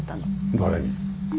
誰に？